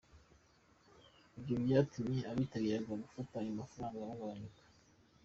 Ibyo byatumye abitabiraga gufata ayo mafaranga bagabanyuka.